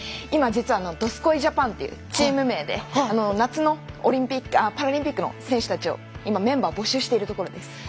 今、実はどすこいジャパンというチーム名で夏のパラリンピックの選手たちを今、メンバーを募集しているところです。